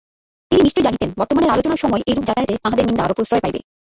তিনি নিশ্চয় জানিতেন বর্তমান আলোচনার সময় এইরূপ যাতায়াতে তাঁহাদের নিন্দা আরো প্রশ্রয় পাইবে।